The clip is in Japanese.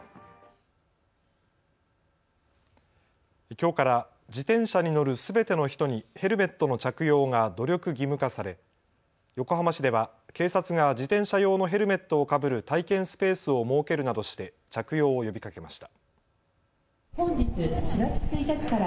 きょうから自転車に乗るすべての人にヘルメットの着用が努力義務化され横浜市では警察が自転車用のヘルメットをかぶる体験スペースを設けるなどして着用を呼びかけました。